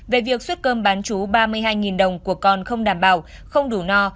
về việc xuất cơm bán chú ba mươi hai đồng của con không đảm bảo không đủ no